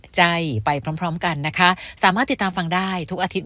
ใจไปพร้อมกันนะคะสามารถติดตามฟังได้ทุกอาทิตย